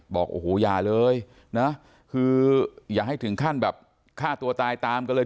บอกโอ้โหอย่าเลยนะคืออย่าให้ถึงขั้นแบบฆ่าตัวตายตามกันเลย